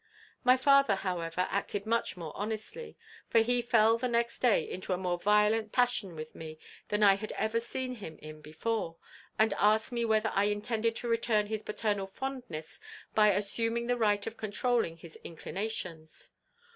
"My father, however, acted much more honestly, for he fell the next day into a more violent passion with me than I had ever seen him in before, and asked me whether I intended to return his paternal fondness by assuming the right of controlling his inclinations?